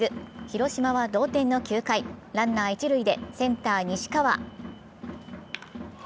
広島は同点の９回、ランナー一塁で、センター・西川。